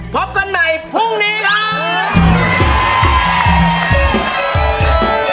พบกันใหม่ปุ้งนี้ค่ะ